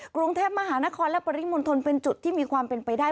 กรุงเทพมหานครและปริมณฑลเป็นจุดที่มีความเป็นไปได้